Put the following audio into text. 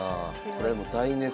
これもう大熱戦。